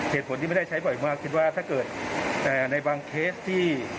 เหตุผลที่ไม่ได้ใช้บ่อยมากคิดว่าถ้าเกิดในบางเคสที่